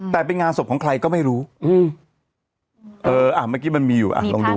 แต่เป็นงานศพของใครก็ไม่รู้อืมเอออ่ะเมื่อกี้มันมีอยู่อ่ะลองดู